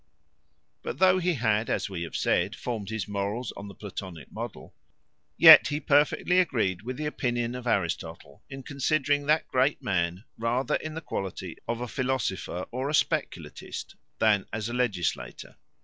But though he had, as we have said, formed his morals on the Platonic model, yet he perfectly agreed with the opinion of Aristotle, in considering that great man rather in the quality of a philosopher or a speculatist, than as a legislator.